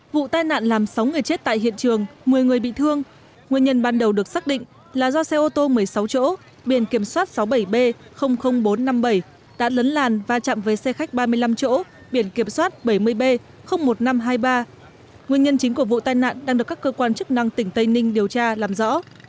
vụ tai nạn làm sáu người chết tại hiện trường một mươi người bị thương nguyên nhân ban đầu được xác định là do xe ô tô một mươi sáu chỗ biển kiểm soát sáu mươi bảy b bốn trăm năm mươi bảy đã lấn làn va chạm với xe khách ba mươi năm chỗ biển kiểm soát bảy mươi b một nghìn năm trăm hai mươi ba nguyên nhân chính của vụ tai nạn đang được các cơ quan chức năng tỉnh tây ninh điều tra làm rõ